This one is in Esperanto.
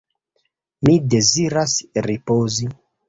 Mi deziras ripozi.